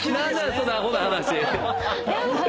そのアホな話！